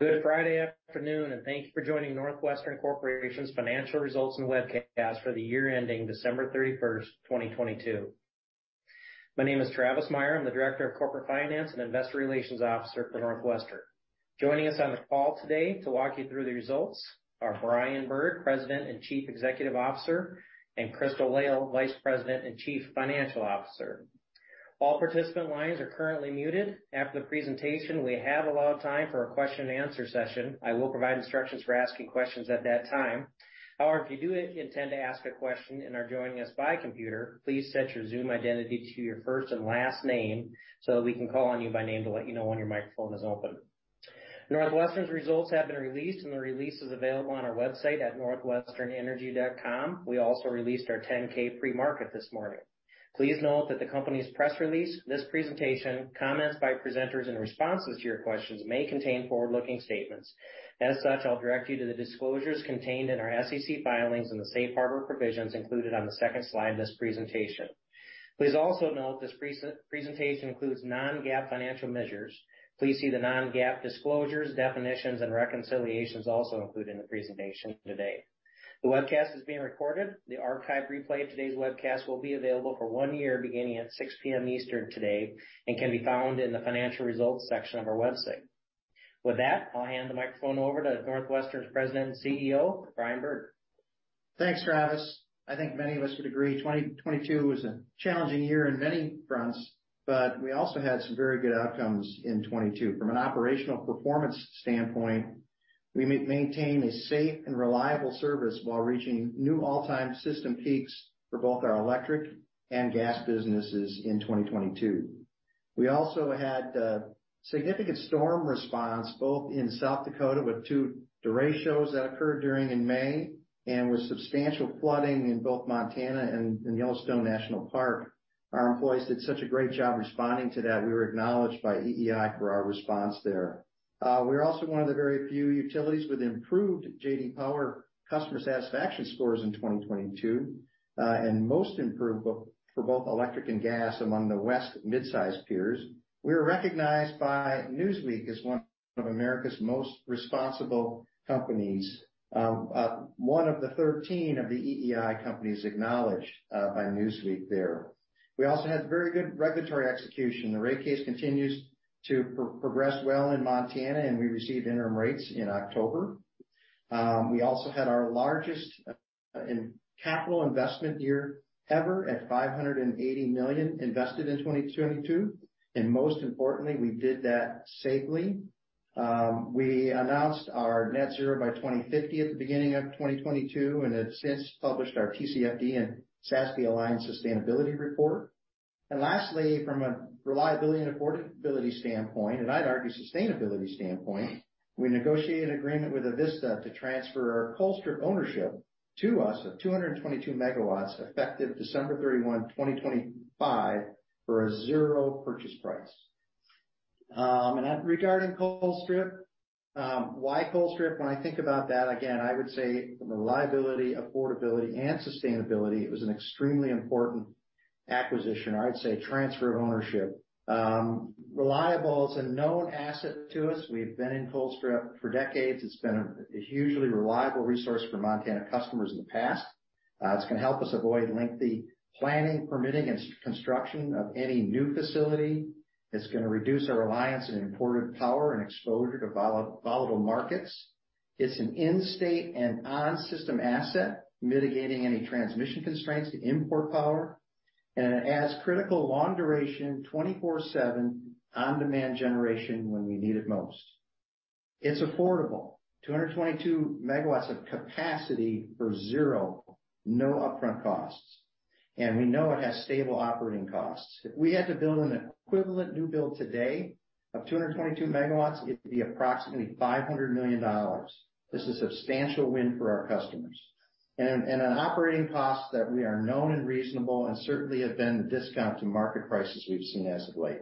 Good Friday afternoon. Thank you for joining NorthWestern Corporation's financial results and webcast for the year ending December 31st, 2022. My name is Travis Meyer. I'm the Director of Corporate Finance and Investor Relations Officer for NorthWestern. Joining us on the call today to walk you through the results are Brian Bird, President and Chief Executive Officer, and Crystal Lail, Vice President and Chief Financial Officer. All participant lines are currently muted. After the presentation, we have allowed time for a question and answer session. I will provide instructions for asking questions at that time. However, if you do intend to ask a question and are joining us by computer, please set your Zoom identity to your first and last name so that we can call on you by name to let you know when your microphone is open. NorthWestern's results have been released, and the release is available on our website at northwesternenergy.com. We also released our 10-K pre-market this morning. Please note that the company's press release, this presentation, comments by presenters, and responses to your questions may contain forward-looking statements. As such, I'll direct you to the disclosures contained in our SEC filings and the safe harbor provisions included on the second slide of this presentation. Please also note this presentation includes non-GAAP financial measures. Please see the non-GAAP disclosures, definitions, and reconciliations also included in the presentation today. The webcast is being recorded. The archive replay of today's webcast will be available for one year beginning at 6:00 P.M. Eastern today and can be found in the financial results section of our website. With that, I'll hand the microphone over to NorthWestern's President and CEO, Brian Bird. Thanks, Travis. I think many of us would agree, 2022 was a challenging year on many fronts, but we also had some very good outcomes in 2022. From an operational performance standpoint, we maintain a safe and reliable service while reaching new all-time system peaks for both our electric and gas businesses in 2022. We also had significant storm response, both in South Dakota with two derechos that occurred during in May and with substantial flooding in both Montana and in Yellowstone National Park. Our employees did such a great job responding to that. We were acknowledged by EEI for our response there. We are also one of the very few utilities with improved J.D. Power customer satisfaction scores in 2022, and most improved for both electric and gas among the West mid-sized peers. We were recognized by Newsweek as one of America's most responsible companies. One of the 13 of the EEI companies acknowledged by Newsweek there. We also had very good regulatory execution. The rate case continues to progress well in Montana, and we received interim rates in October. We also had our largest capital investment year ever at $580 million invested in 2022, and most importantly, we did that safely. We announced our net zero by 2050 at the beginning of 2022 and have since published our TCFD and SASB-aligned sustainability report. Lastly, from a reliability and affordability standpoint, and I'd argue sustainability standpoint, we negotiated an agreement with Avista to transfer Colstrip ownership to us of 222 MW effective December 31, 2025 for a $0 purchase price. Regarding Colstrip, why Colstrip? When I think about that, again, I would say reliability, affordability, and sustainability. It was an extremely important acquisition or I'd say transfer of ownership. Reliable. It's a known asset to us. We've been in Colstrip for decades. It's been a hugely reliable resource for Montana customers in the past. It's gonna help us avoid lengthy planning, permitting, and construction of any new facility. It's gonna reduce our reliance on imported power and exposure to volatile markets. It's an in-state and on-system asset, mitigating any transmission constraints to import power. It adds critical long duration, 24/7, on-demand generation when we need it most. It's affordable. 222 MW of capacity for zero, no upfront costs. We know it has stable operating costs. If we had to build an equivalent new build today of 222 MW, it would be approximately $500 million. This is a substantial win for our customers. An operating cost that we are known and reasonable and certainly have been at a discount to market prices we've seen as of late.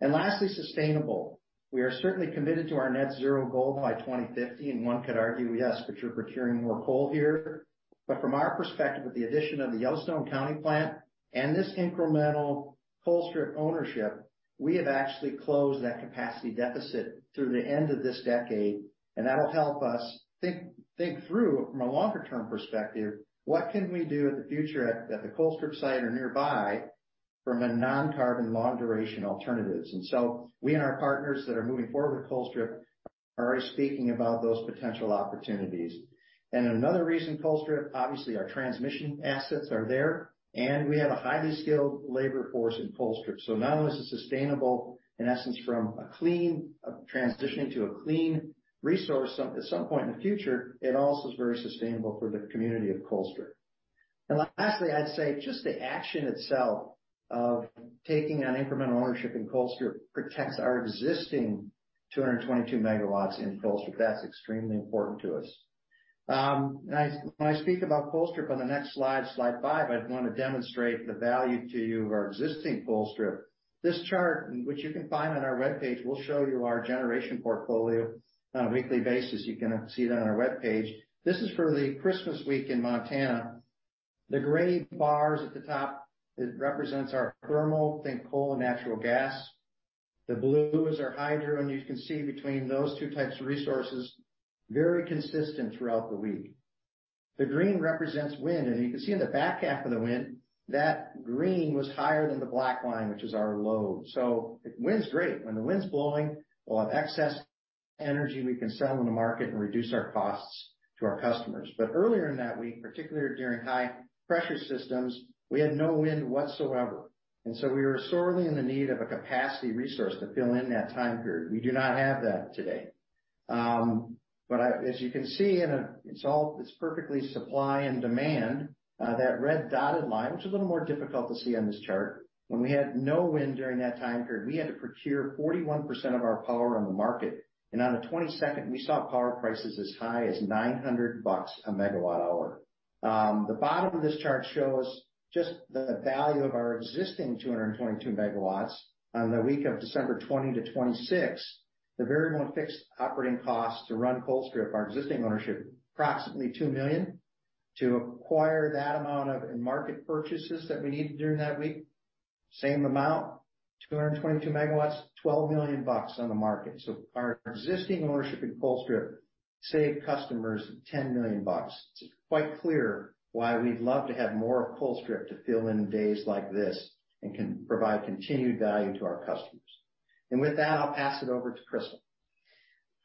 Lastly, sustainable. We are certainly committed to our net zero goal by 2050, and one could argue, yes, but you're procuring more coal here. From our perspective, with the addition of the Yellowstone County plant and this incremental Colstrip ownership, we have actually closed that capacity deficit through the end of this decade, and that'll help us think through from a longer-term perspective, what can we do in the future at the Colstrip site or nearby from a non-carbon, long-duration alternatives. We and our partners that are moving forward with Colstrip are already speaking about those potential opportunities. Another reason, Colstrip, obviously, our transmission assets are there, and we have a highly skilled labor force in Colstrip. Not only is it sustainable, in essence from a transitioning to a clean resource at some point in the future, it also is very sustainable for the community of Colstrip. Lastly, I'd say just the action itself of taking on incremental ownership in Colstrip protects our existing 222 MW in Colstrip. That's extremely important to us. When I speak about Colstrip on the next slide 5, I'd want to demonstrate the value to you of our existing Colstrip. This chart, which you can find on our webpage, will show you our generation portfolio on a weekly basis. You can see that on our webpage. This is for the Christmas week in Montana. The gray bars at the top, it represents our thermal, think coal and natural gas. The blue is our hydro. You can see between those two types of resources, very consistent throughout the week. The green represents wind, and you can see in the back half of the wind that green was higher than the black line, which is our load. Wind is great. When the wind's blowing, we'll have excess energy we can sell in the market and reduce our costs to our customers. Earlier in that week, particularly during high-pressure systems, we had no wind whatsoever, and so we were sorely in the need of a capacity resource to fill in that time period. We do not have that today. As you can see, it's perfectly supply and demand. That red dotted line, which is a little more difficult to see on this chart. When we had no wind during that time period, we had to procure 41% of our power on the market. On the 22nd, we saw power prices as high as $900 a MWh. The bottom of this chart shows just the value of our existing 222 MW on the week of December 20-26. The variable and fixed operating costs to run Colstrip, our existing ownership, approximately $2 million. To acquire that amount of market purchases that we needed during that week, same amount, 222 MW, $12 million on the market. Our existing ownership in Colstrip saved customers $10 million. It's quite clear why we'd love to have more of Colstrip to fill in days like this and can provide continued value to our customers. With that, I'll pass it over to Crystal.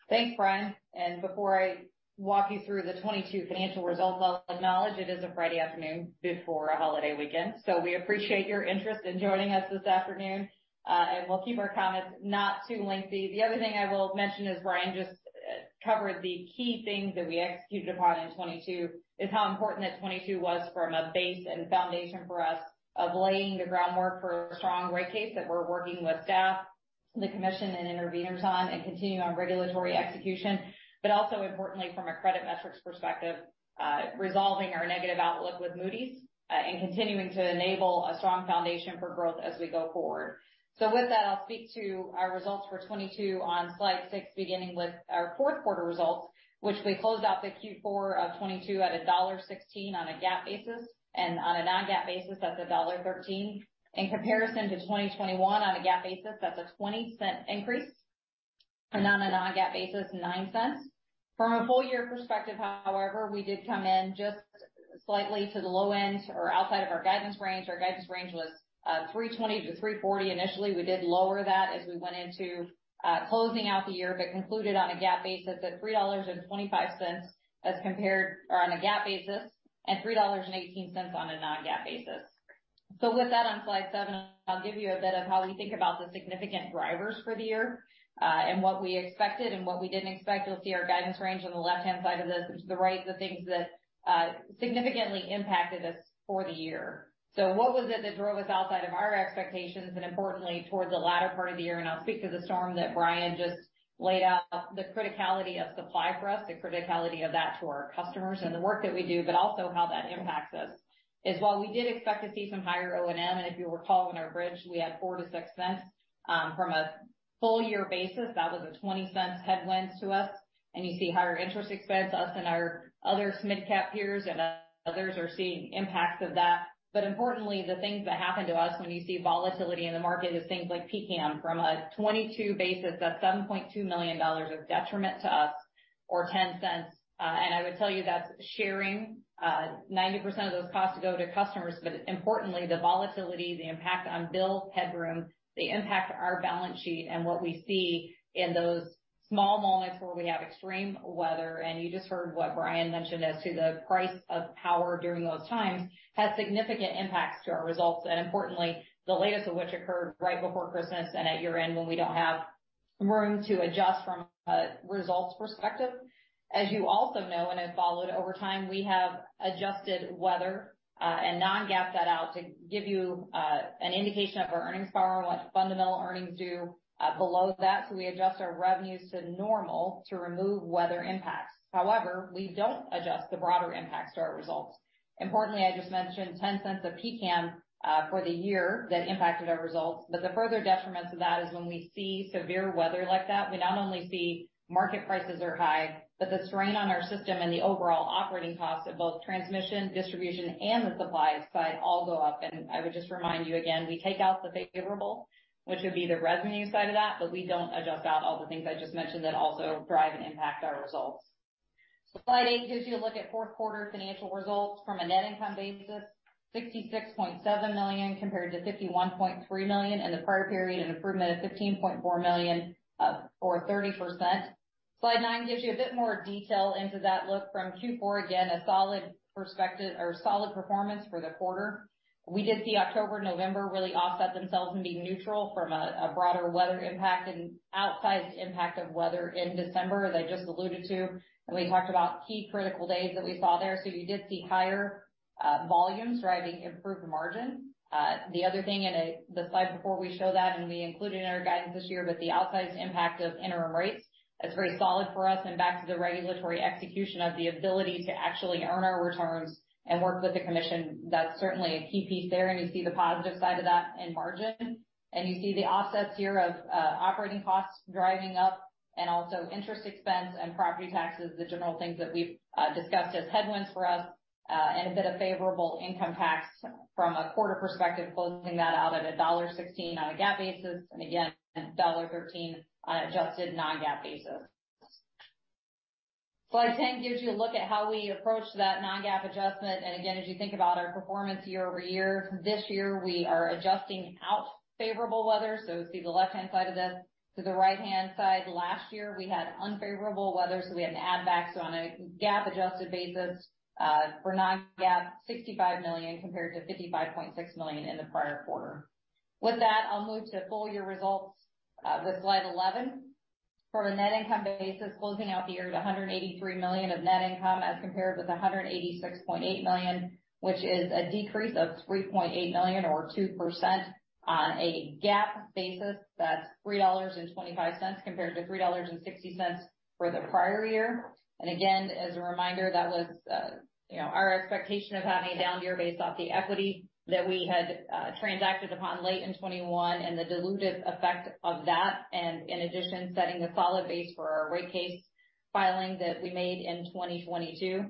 Thanks, Brian. Before I walk you through the 2022 financial results, I'll acknowledge it is a Friday afternoon before a holiday weekend, so we appreciate your interest in joining us this afternoon. We'll keep our comments not too lengthy. The other thing I will mention, as Brian just covered the key things that we executed upon in 2022, is how important that 2022 was from a base and foundation for us of laying the groundwork for a strong rate case that we're working with staff, the commission and intervenors on, and continuing our regulatory execution, but also importantly from a credit metrics perspective, resolving our negative outlook with Moody's and continuing to enable a strong foundation for growth as we go forward. With that, I'll speak to our results for 2022 on slide six, beginning with our fourth quarter results, which we closed out the Q4 of 2022 at $1.16 on a GAAP basis and on a non-GAAP basis at $1.13. In comparison to 2021 on a GAAP basis, that's a $0.20 increase. On a non-GAAP basis, $0.09. From a full year perspective, however, we did come in just slightly to the low end or outside of our guidance range. Our guidance range was $3.20-$3.40 initially. We did lower that as we went into closing out the year, but concluded on a GAAP basis at $3.25 as compared on a GAAP basis, and $3.18 on a non-GAAP basis. With that, on slide seven, I'll give you a bit of how we think about the significant drivers for the year and what we expected and what we didn't expect. You'll see our guidance range on the left-hand side of this. The right are things that significantly impacted us for the year. What was it that drove us outside of our expectations and importantly towards the latter part of the year? I'll speak to the storm that Brian just laid out, the criticality of supply for us, the criticality of that to our customers and the work that we do, but also how that impacts us is while we did expect to see some higher O&M, and if you'll recall in our bridge, we had $0.04-$0.06 from a full year basis. That was a $0.20 headwind to us. You see higher interest expense, us and our other mid-cap peers and others are seeing impacts of that. Importantly, the things that happen to us when you see volatility in the market is things like PCCAM from a 2022 basis, that's $7.2 million of detriment to us or $0.10. I would tell you that's sharing, 90% of those costs go to customers. Importantly, the volatility, the impact on bill headroom, the impact to our balance sheet and what we see in those small moments where we have extreme weather. You just heard what Brian mentioned as to the price of power during those times has significant impacts to our results, and importantly, the latest of which occurred right before Christmas and at year-end when we don't have room to adjust from a results perspective. As you also know, and have followed over time, we have adjusted weather, and non-GAAP that out to give you an indication of our earnings power, what fundamental earnings do below that. We adjust our revenues to normal to remove weather impacts. However, we don't adjust the broader impacts to our results. Importantly, I just mentioned $0.10 of PCCAM for the year that impacted our results. The further detriment to that is when we see severe weather like that, we not only see market prices are high, but the strain on our system and the overall operating costs of both transmission, distribution, and the supply side all go up. I would just remind you again, we take out the favorable, which would be the revenue side of that, but we don't adjust out all the things I just mentioned that also drive and impact our results. Slide eight gives you a look at fourth quarter financial results from a net income basis, $66.7 million compared to $51.3 million in the prior period, an improvement of $15.4 million, or 30%. Slide nine gives you a bit more detail into that look from Q4. Again, a solid perspective or solid performance for the quarter. We did see October, November really offset themselves and be neutral from a broader weather impact and outsized impact of weather in December, as I just alluded to. We talked about key critical days that we saw there. You did see higher volumes driving improved margin. The other thing, the slide before we show that, and we included in our guidance this year, but the outsized impact of interim rates, that's very solid for us and back to the regulatory execution of the ability to actually earn our returns and work with the commission. That's certainly a key piece there. You see the positive side of that in margin. You see the offsets here of operating costs driving up, and also interest expense and property taxes, the general things that we've discussed as headwinds for us, and a bit of favorable income tax from a quarter perspective, closing that out at $1.16 on a GAAP basis, and again, $1.13 on an adjusted non-GAAP basis. Slide 10 gives you a look at how we approach that non-GAAP adjustment. Again, as you think about our performance year-over-year, this year we are adjusting out favorable weather. See the left-hand side of this to the right-hand side. Last year we had unfavorable weather, so we had an add back. On a GAAP-adjusted basis, for non-GAAP, $65 million compared to $55.6 million in the prior quarter. With that, I'll move to full year results, with slide 11. For a net income basis, closing out the year at $183 million of net income as compared with $186.8 million, which is a decrease of $3.8 million or 2% on a GAAP basis. That's $3.25 compared to $3.60 for the prior year. Again, as a reminder, that was, you know, our expectation of having a down year based off the equity that we had transacted upon late in 2021 and the dilutive effect of that. In addition, setting the solid base for our rate case filing that we made in 2022.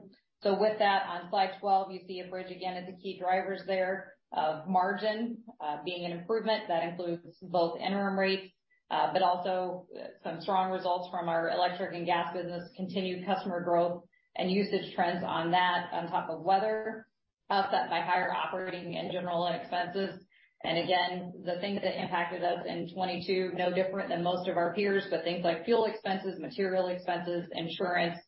With that, on slide 12, you see a bridge again at the key drivers there of margin, being an improvement. That includes both interim rates, but also some strong results from our electric and gas business, continued customer growth and usage trends on that on top of weather offset by higher operating and general expenses. Again, the things that impacted us in 2022, no different than most of our peers, but things like fuel expenses, material expenses, insurance,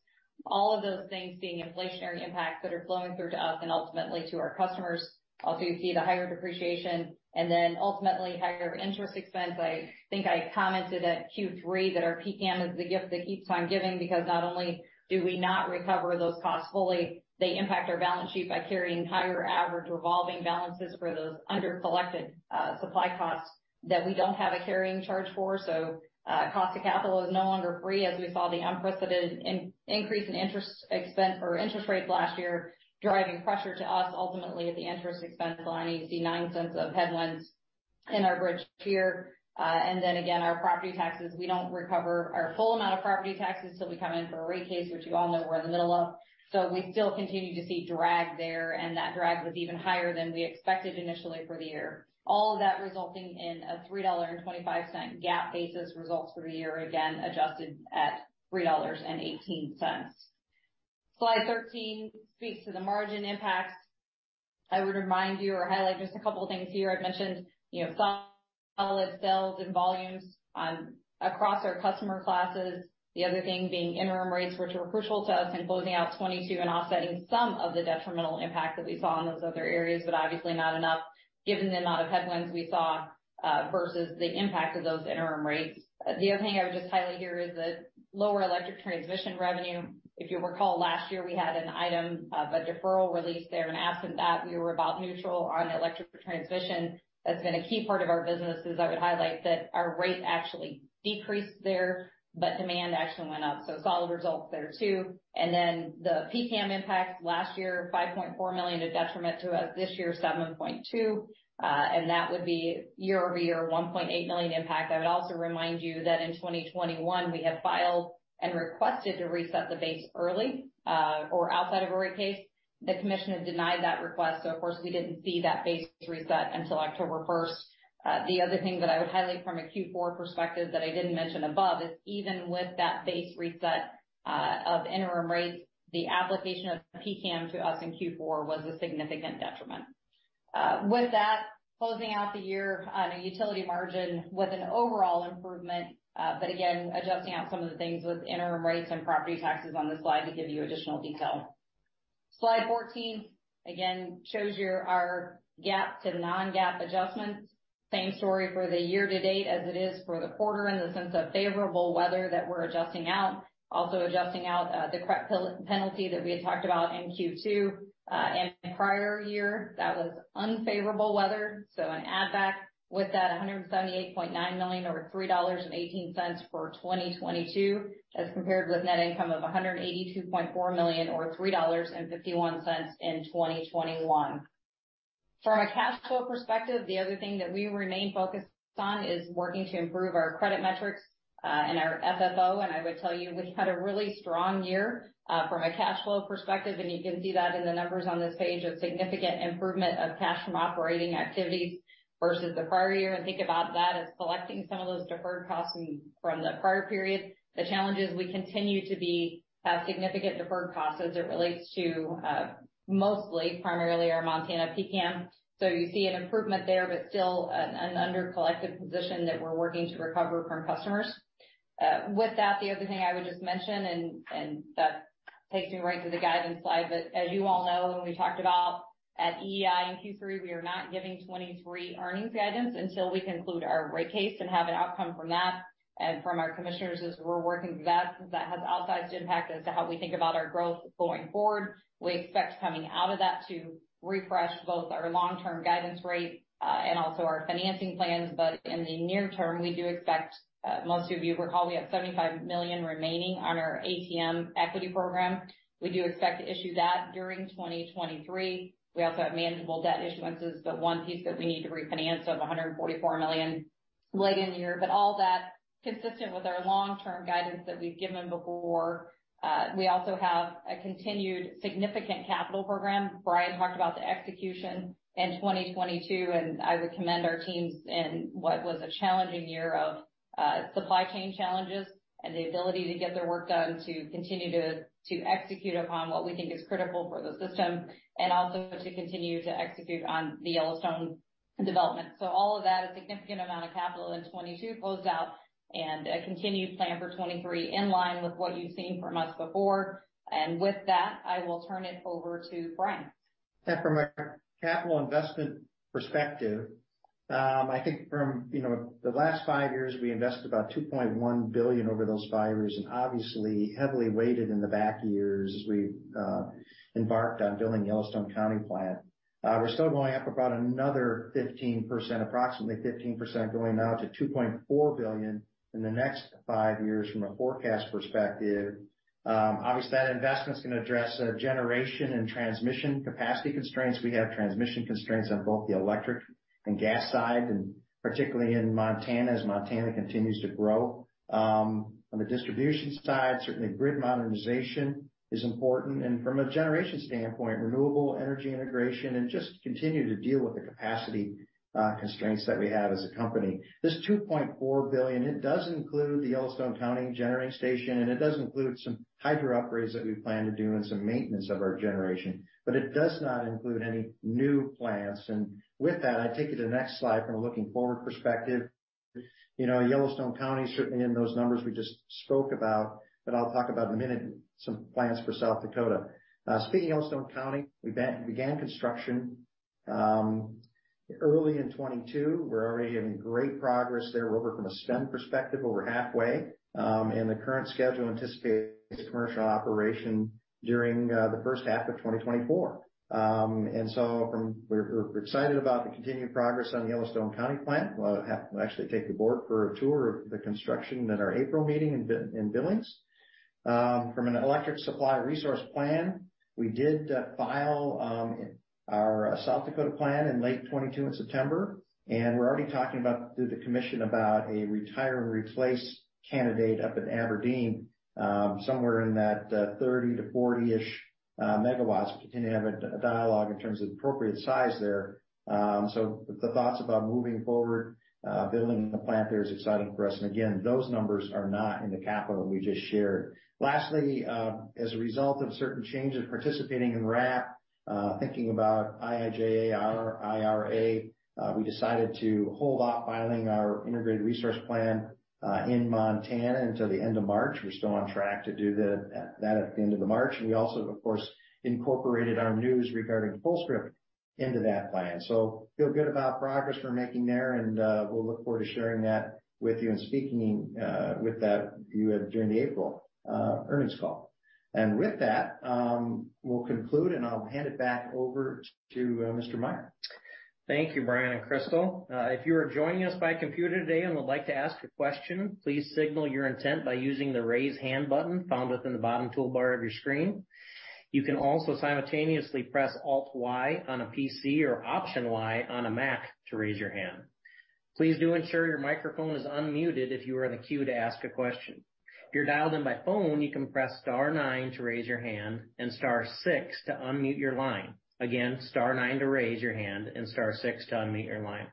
all of those things being inflationary impacts that are flowing through to us and ultimately to our customers. Also, you see the higher depreciation and then ultimately higher interest expense. I think I commented at Q3 that our PCCAM is the gift that keeps on giving because not only do we not recover those costs fully, they impact our balance sheet by carrying higher average revolving balances for those under-collected supply costs that we don't have a carrying charge for. Cost of capital is no longer free as we saw the unprecedented increase in interest expense or interest rates last year, driving pressure to us ultimately at the interest expense line. You see $0.09 of headwinds in our bridge here. Again, our property taxes. We don't recover our full amount of property taxes till we come in for a rate case, which you all know we're in the middle of. We still continue to see drag there, and that drag was even higher than we expected initially for the year. All of that resulting in a $3.25 GAAP basis results for the year, again, adjusted at $3.18. Slide 13 speaks to the margin impacts. I would remind you or highlight just a couple of things here. I've mentioned, you know, solid sales and volumes across our customer classes. The other thing being interim rates, which were crucial to us in closing out 2022 and offsetting some of the detrimental impact that we saw in those other areas, but obviously not enough given the amount of headwinds we saw versus the impact of those interim rates. The other thing I would just highlight here is the lower electric transmission revenue. If you recall, last year we had an item of a deferral release there. In absent that, we were about neutral on electric transmission. That's been a key part of our business is I would highlight that our rate actually decreased there, but demand actually went up. Solid results there too. The PCCAM impact last year, $5.4 million, a detriment to us this year, $7.2 million. That would be year-over-year $1.8 million impact. I would also remind you that in 2021 we had filed and requested to reset the base early, or outside of a rate case. The commission had denied that request. Of course we didn't see that base reset until October 1st. The other thing that I would highlight from a Q4 perspective that I didn't mention above is even with that base reset of interim rates, the application of PCCAM to us in Q4 was a significant detriment. With that, closing out the year on a utility margin with an overall improvement, again, adjusting out some of the things with interim rates and property taxes on this slide to give you additional detail. Slide 14 again shows our GAAP to non-GAAP adjustments. Same story for the year to date as it is for the quarter in the sense of favorable weather that we're adjusting out. Also adjusting out the Colstrip penalty that we had talked about in Q2 and prior year that was unfavorable weather, so an add back. With that $178.9 million over $3.18 for 2022 as compared with net income of $182.4 million or $3.51 in 2021. From a cash flow perspective, the other thing that we remain focused on is working to improve our credit metrics and our FFO. I would tell you we've had a really strong year from a cash flow perspective, and you can see that in the numbers on this page, a significant improvement of cash from operating activities versus the prior year. Think about that as collecting some of those deferred costs from the prior period. The challenge is we continue to have significant deferred costs as it relates to mostly primarily our Montana PCCAM. You see an improvement there, but still an under-collected position that we're working to recover from customers. With that, the other thing I would just mention and that takes me right to the guidance slide. As you all know, and we talked about at EEI in Q3, we are not giving 2023 earnings guidance until we conclude our rate case and have an outcome from that and from our commissioners as we're working through that, because that has outsized impact as to how we think about our growth going forward. We expect coming out of that to refresh both our long-term guidance rate and also our financing plans. In the near term, we do expect, most of you recall we have $75 million remaining on our ATM equity program. We do expect to issue that during 2023. We also have manageable debt issuances, the one piece that we need to refinance of $144 million late in the year, but all that consistent with our long-term guidance that we've given before. We also have a continued significant capital program. Brian talked about the execution in 2022. I would commend our teams in what was a challenging year of supply chain challenges and the ability to get their work done to continue to execute upon what we think is critical for the system and also to continue to execute on the Yellowstone development. All of that, a significant amount of capital in 2022 closed out and a continued plan for 2023 in line with what you've seen from us before. With that, I will turn it over to Brian. From a capital investment perspective, I think from, you know, the last five years, we invested about $2.1 billion over those five years and obviously heavily weighted in the back years as we embarked on building Yellowstone County Generating Station. We're still going up about another 15%, approximately 15%, going now to $2.4 billion in the next five years from a forecast perspective. Obviously, that investment's going to address our generation and transmission capacity constraints. We have transmission constraints on both the electric and gas side, and particularly in Montana, as Montana continues to grow. On the distribution side, certainly grid modernization is important. From a generation standpoint, renewable energy integration and just continue to deal with the capacity constraints that we have as a company. This $2.4 billion, it does include the Yellowstone County Generating Station, and it does include some hydro upgrades that we plan to do and some maintenance of our generation. It does not include any new plants. With that, I take you to the next slide from a looking forward perspective. You know, Yellowstone County, certainly in those numbers we just spoke about, but I'll talk about in a minute some plans for South Dakota. Speaking of Yellowstone County, we began construction early in 2022. We're already making great progress there. We're over from a spend perspective, over halfway, and the current schedule anticipates commercial operation during the first half of 2024. We're excited about the continued progress on the Yellowstone County Plant. We'll actually take the board for a tour of the construction at our April meeting in Billings. From an electric supply resource plan, we did file our South Dakota plan in late 2022 in September. We're already talking about, through the commission about a retire and replace candidate up in Aberdeen, somewhere in that 30-40ish MW. We continue to have a dialogue in terms of appropriate size there. The thoughts about moving forward, building a plant there is exciting for us. Again, those numbers are not in the capital we just shared. Lastly, as a result of certain changes participating in RAP, thinking about IIJA, our IRA, we decided to hold off filing our Integrated Resource Plan in Montana until the end of March. We're still on track to do that at the end of March. We also, of course, incorporated our news regarding Colstrip into that plan. Feel good about progress we're making there, and we'll look forward to sharing that with you and speaking with you during the April earnings call. With that, we'll conclude, and I'll hand it back over to Mr. Meyer. Thank you, Brian and Crystal. If you are joining us by computer today and would like to ask a question, please signal your intent by using the Raise Hand button found within the bottom toolbar of your screen. You can also simultaneously press Alt Y on a PC or Option Y on a Mac to raise your hand. Please do ensure your microphone is unmuted if you are in the queue to ask a question. If you're dialed in by phone, you can press star nine to raise your hand and star six to unmute your line. Again, star nine to raise your hand and star six to unmute your line.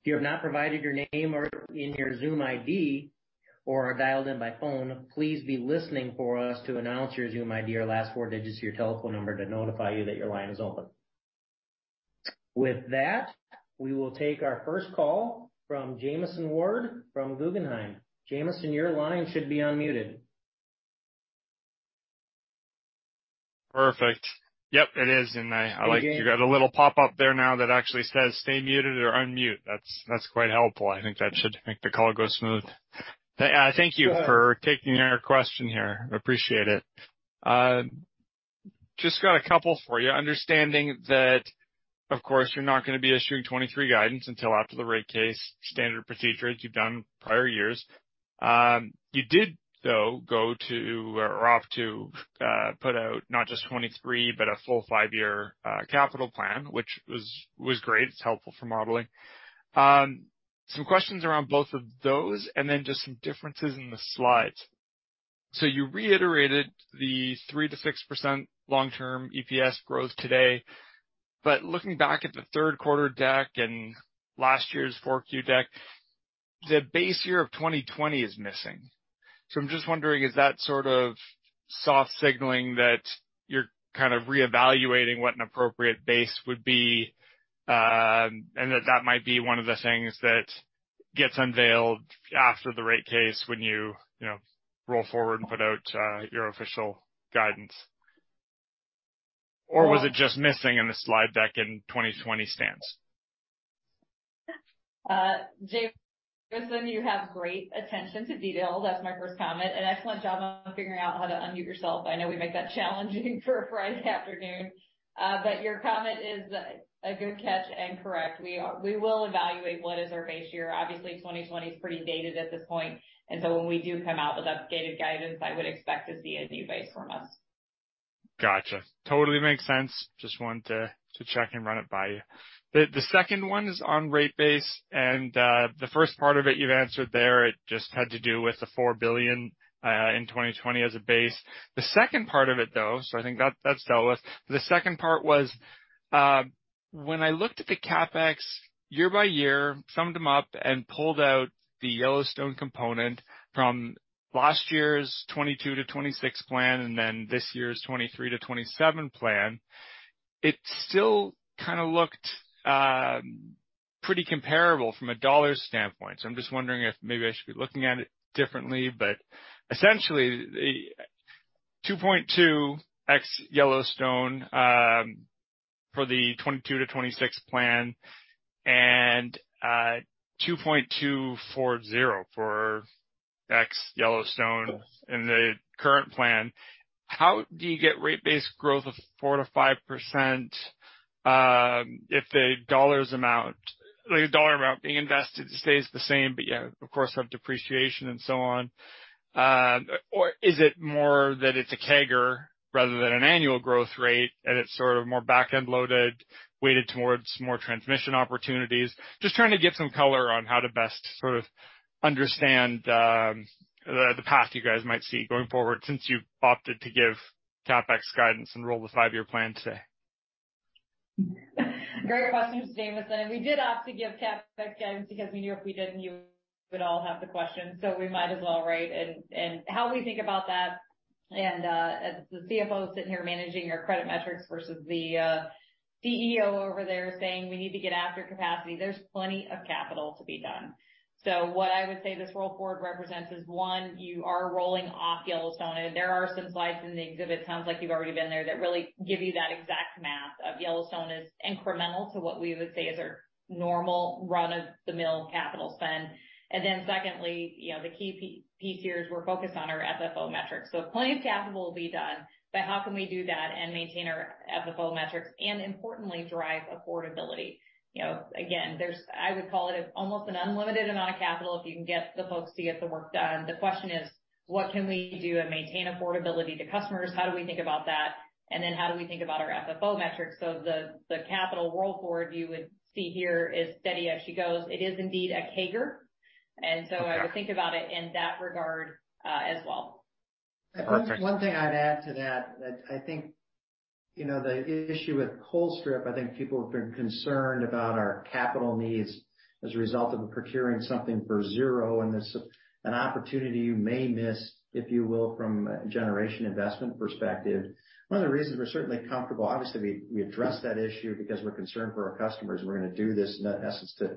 If you have not provided your name or in your Zoom ID or are dialed in by phone, please be listening for us to announce your Zoom ID or last four digits of your telephone number to notify you that your line is open. With that, we will take our first call from Jamieson Ward from Guggenheim. Jamieson, your line should be unmuted. Perfect. Yep, it is. I like- There you go. You got a little pop-up there now that actually says stay muted or unmute. That's quite helpful. I think that should make the call go smooth. Thank you for taking our question here. Appreciate it. Just got a couple for you. Understanding that, of course, you're not gonna be issuing 2023 guidance until after the rate case, standard procedure as you've done prior years. You did, though, go to or off to put out not just 2023, but a full five year capital plan, which was great. It's helpful for modeling. Some questions around both of those and then just some differences in the slides. You reiterated the 3%-6% long-term EPS growth today, but looking back at the third quarter deck and last year's 4Q deck, the base year of 2020 is missing. I'm just wondering, is that sort of soft signaling that you're kind of reevaluating what an appropriate base would be, and that that might be one of the things that gets unveiled after the rate case when you know, roll forward and put out your official guidance? Or was it just missing in the slide deck and 2020 stands? Jamieson, you have great attention to detail. That's my first comment. An excellent job on figuring out how to unmute yourself. I know we make that challenging for a Friday afternoon. Your comment is a good catch and correct. We will evaluate what is our base year. Obviously, 2020 is pretty dated at this point. When we do come out with updated guidance, I would expect to see a new base from us. Gotcha. Totally makes sense. Just wanted to check and run it by you. The second one is on rate base, and the first part of it you've answered there. It just had to do with the $4 billion in 2020 as a base. The second part of it, though, I think that's dealt with. The second part was when I looked at the CapEx year by year, summed them up and pulled out the Yellowstone component from last year's 2022 to 2026 plan and then this year's 2023 to 2027 plan, it still kind of looked pretty comparable from a dollar standpoint. I'm just wondering if maybe I should be looking at it differently. Essentially the 2.2x Yellowstone for the 2022-2026 plan and 2.240 for ex Yellowstone in the current plan. How do you get rate base growth of 4%-5%, if the dollar amount being invested stays the same, but you of course, have depreciation and so on? Is it more that it's a CAGR rather than an annual growth rate, and it's sort of more back-end loaded, weighted towards more transmission opportunities? Just trying to get some color on how to best sort of understand the path you guys might see going forward since you've opted to give CapEx guidance and roll the five year plan today. Great question, Jamieson. We did opt to give CapEx guidance because we knew if we didn't, you would all have the questions, so we might as well, right? How we think about that, as the CFO sitting here managing our credit metrics versus the CEO over there saying, "We need to get after capacity," there's plenty of capital to be done. What I would say this roll forward represents is, one, you are rolling off Yellowstone. There are some slides in the exhibit, sounds like you've already been there, that really give you that exact math of Yellowstone as incremental to what we would say is our normal run-of-the-mill capital spend. Secondly, you know, the key here is we're focused on our FFO metrics. Plenty of capital will be done, but how can we do that and maintain our FFO metrics and importantly, drive affordability? You know, again, I would call it a almost an unlimited amount of capital if you can get the folks to get the work done. The question is, what can we do and maintain affordability to customers? How do we think about that? How do we think about our FFO metrics? The capital roll forward you would see here is steady as she goes. It is indeed a CAGR. Okay. I would think about it in that regard, as well. Okay. One thing I'd add to that I think, you know, the issue with Colstrip, I think people have been concerned about our capital needs as a result of procuring something for zero. This is an opportunity you may miss, if you will, from a generation investment perspective. One of the reasons we're certainly comfortable, obviously, we address that issue because we're concerned for our customers, and we're going to do this in essence to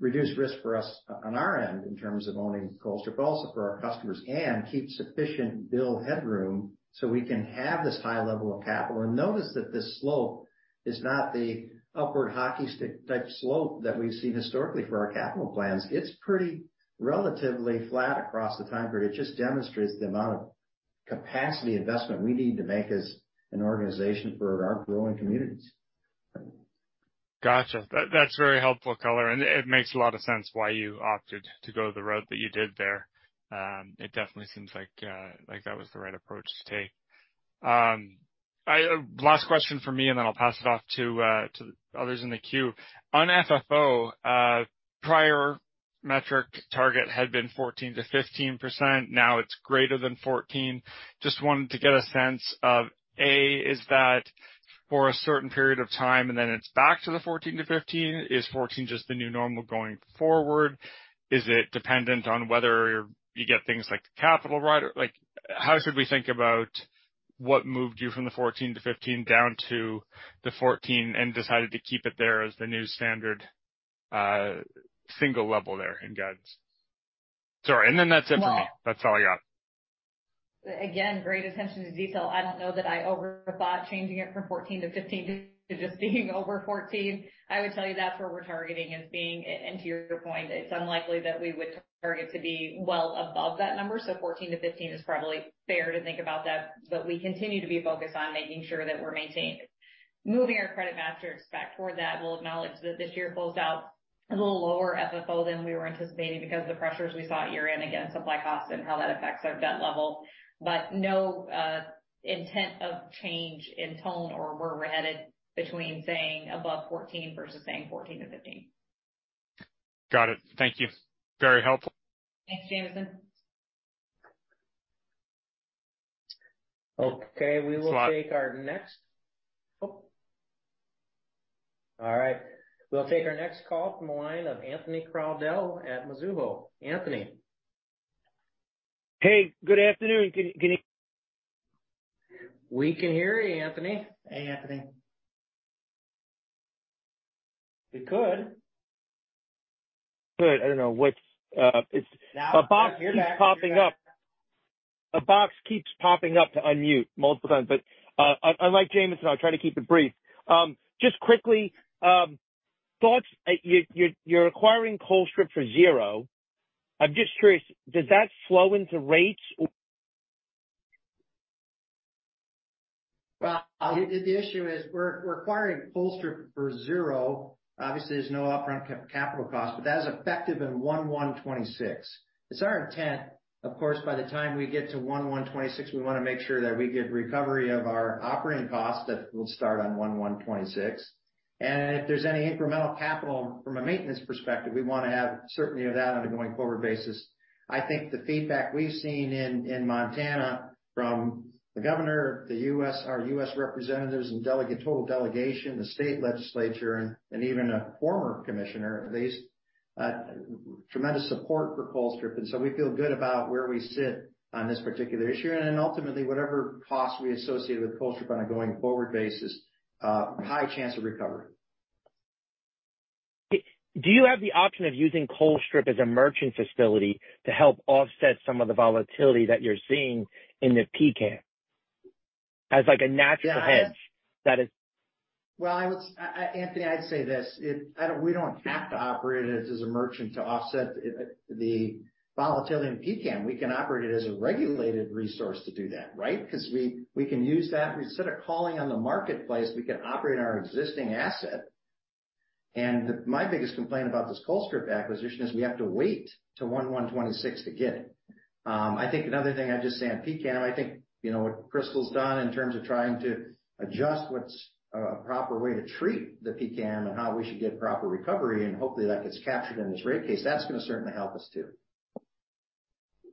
reduce risk for us on our end, in terms of owning Colstrip, but also for our customers, and keep sufficient bill headroom so we can have this high level of capital. Notice that this slope is not the upward hockey stick type slope that we've seen historically for our capital plans. It's pretty relatively flat across the time period. It just demonstrates the amount of capacity investment we need to make as an organization for our growing communities. Gotcha. That's very helpful color. It makes a lot of sense why you opted to go the route that you did there. It definitely seems like that was the right approach to take. I, last question from me, then I'll pass it off to others in the queue. On FFO, prior metric target had been 14%-15%. Now it's greater than 14%. Just wanted to get a sense of A, is that for a certain period of time and then it's back to the 14%-15%? Is 14% just the new normal going forward? Is it dependent on whether you get things like the capital, right? Like how should we think about what moved you from the 14%-15% down to the 14% and decided to keep it there as the new standard, single level there in guidance? Sorry. Then that's it for me. Well- That's all I got. Again, great attention to detail. I don't know that I overthought changing it from 14%-15% to just being over 14%. I would tell you that's where we're targeting as being... To your point, it's unlikely that we would target to be well above that number. So 14%-15% is probably fair to think about that. We continue to be focused on making sure that we're maintaining moving our credit metrics back toward that. We'll acknowledge that this year closed out a little lower FFO than we were anticipating because of the pressures we saw year-end against supply costs and how that affects our debt level, but no intent of change in tone or where we're headed between saying above 14% versus saying 14%-15%. Got it. Thank you. Very helpful. Thanks, Jamieson. Okay. All right. We'll take our next call from the line of Anthony Crowdell at Mizuho. Anthony. Hey, good afternoon. Can. We can hear you, Anthony. Hey, Anthony. We could. Good. I don't know what's. Now we can. You're back. A box keeps popping up. A box keeps popping up to unmute multiple times. Unlike Jamieson, I'll try to keep it brief. just quickly, thoughts, you're acquiring Colstrip for zero. I'm just curious, does that slow into rates or. Well, the issue is we're acquiring Colstrip for 0. Obviously, there's no upfront capital cost, but that is effective in 1/1/2026. It's our intent, of course, by the time we get to 1/1/2026, we want to make sure that we get recovery of our operating costs that will start on 1/1/2026. If there's any incremental capital from a maintenance perspective, we wanna have certainty of that on a going forward basis. I think the feedback we've seen in Montana from the governor, the US, our US representatives and delegate, total delegation, the state legislature and even a former commissioner, there's tremendous support for Colstrip. We feel good about where we sit on this particular issue. Ultimately, whatever costs we associate with Colstrip on a going forward basis, high chance of recovery. Do you have the option of using Colstrip as a merchant facility to help offset some of the volatility that you're seeing in the PCAM? As like a natural hedge that is- Well, Anthony, I'd say this. We don't have to operate it as a merchant to offset the volatility in PCAM. We can operate it as a regulated resource to do that, right? Because we can use that. Instead of calling on the marketplace, we can operate our existing asset. My biggest complaint about this Colstrip acquisition is we have to wait till 1/1/2026 to get it. I think another thing I'd just say on PCAM, I think, you know, what Crystal's done in terms of trying to adjust what's a proper way to treat the PCAM and how we should get proper recovery and hopefully that gets captured in this rate case. That's gonna certainly help us too.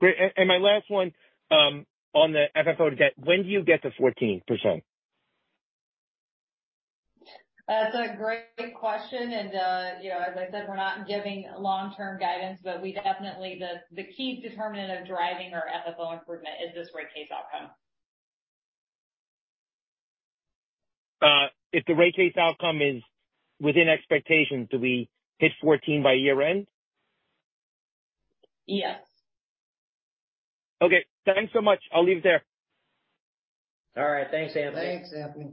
Great. My last one on the FFO debt. When do you get to 14%? That's a great question. And, you know, as I said, we're not giving long-term guidance, but we definitely, the key determinant of driving our FFO improvement is this rate case outcome. If the rate case outcome is within expectations, do we hit 14% by year-end? Yes. Okay, thanks so much. I'll leave it there. All right. Thanks, Anthony. Thanks, Anthony.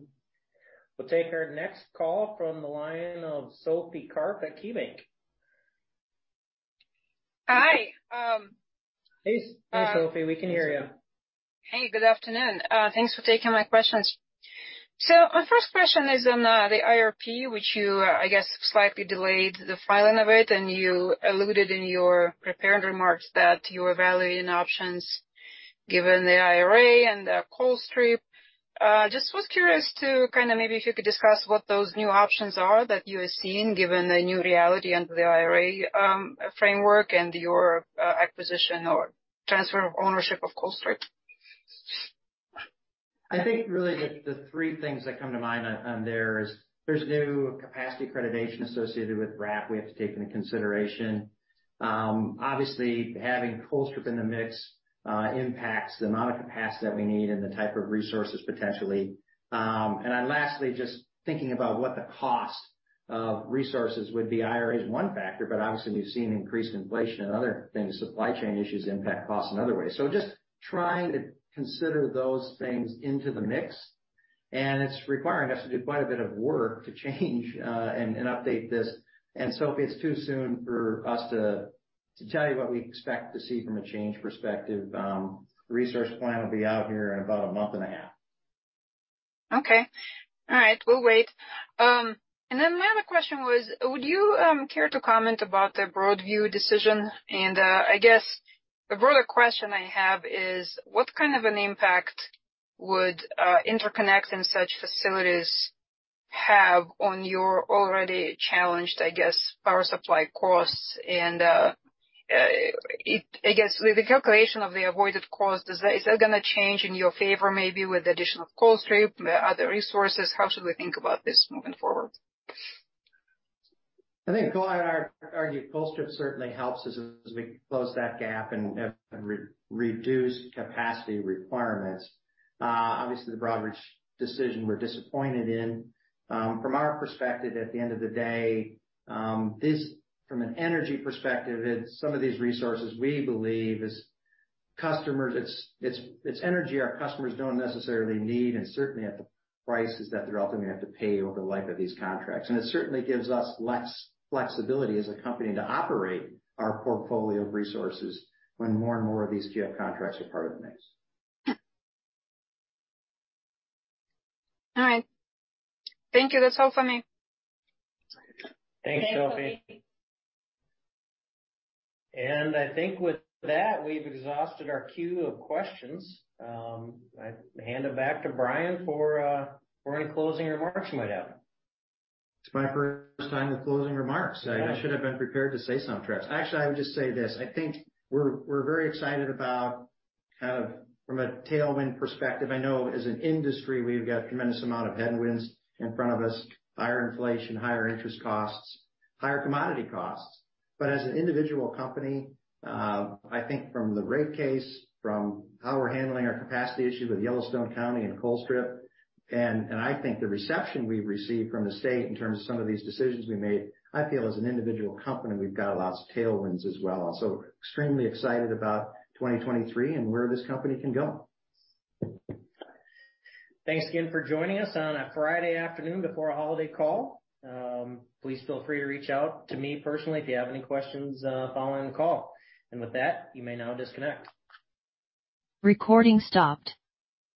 We'll take our next call from the line of Sophie Karp at KeyBanc. Hi. Hey, Sophie, we can hear you. Good afternoon. Thanks for taking my questions. My first question is on the IRP, which you, I guess, slightly delayed the filing of it, and you alluded in your prepared remarks that you are evaluating options given the IRA and the Colstrip. Just was curious to kind of maybe if you could discuss what those new options are that you are seeing given the new reality under the IRA framework and your acquisition or transfer of ownership of Colstrip. I think really the three things that come to mind on there is there's new capacity accreditation associated with WRAP we have to take into consideration. Obviously having Colstrip in the mix, impacts the amount of capacity that we need and the type of resources potentially. Then lastly, just thinking about what the cost of resources would be. IRA is one factor, but obviously we've seen increased inflation and other things. Supply chain issues impact costs in other ways. Just trying to consider those things into the mix, and it's requiring us to do quite a bit of work to change and update this. Sophie, it's too soon for us to tell you what we expect to see from a change perspective. The resource plan will be out here in about a month and a half. Okay. All right. We'll wait. Then my other question was, would you care to comment about the Broadview decision? I guess the broader question I have is: What kind of an impact would interconnect in such facilities have on your already challenged, I guess, power supply costs? I guess with the calculation of the avoided cost, is that gonna change in your favor maybe with the addition of Colstrip, the other resources? How should we think about this moving forward? I think I argue Colstrip certainly helps us as we close that gap and re-reduce capacity requirements. Obviously the Broadview decision we're disappointed in. From our perspective, at the end of the day, this from an energy perspective, it's some of these resources we believe is customers it's energy our customers don't necessarily need and certainly at the prices that they're ultimately gonna have to pay over the life of these contracts. It certainly gives us less flexibility as a company to operate our portfolio of resources when more and more of these QF contracts are part of the mix. All right. Thank you. That's all for me. Thanks, Sophie. I think with that, we've exhausted our queue of questions. I hand it back to Brian for any closing remarks you might have. It's my first time with closing remarks. I should have been prepared to say something. Actually, I would just say this: I think we're very excited about kind of from a tailwind perspective. I know as an industry, we've got a tremendous amount of headwinds in front of us. Higher inflation, higher interest costs, higher commodity costs. As an individual company, I think from the rate case, from how we're handling our capacity issues with Yellowstone County and Colstrip, and I think the reception we've received from the state in terms of some of these decisions we made. I feel as an individual company, we've got lots of tailwinds as well. Extremely excited about 2023 and where this company can go. Thanks again for joining us on a Friday afternoon before a holiday call. Please feel free to reach out to me personally if you have any questions following the call. With that, you may now disconnect. Recording stopped.